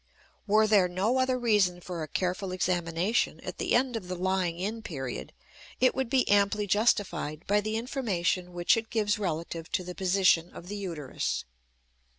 Were there no other reason for a careful examination at the end of the lying in period, it would be amply justified by the information which it gives relative to the position of the uterus.